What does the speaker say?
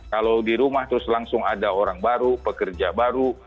kalau di rumah terus langsung ada orang baru pekerja baru